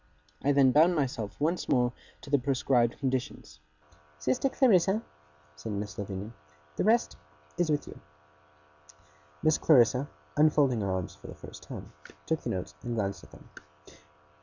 I then bound myself once more to the prescribed conditions. 'Sister Clarissa,' said Miss Lavinia, 'the rest is with you.' Miss Clarissa, unfolding her arms for the first time, took the notes and glanced at them.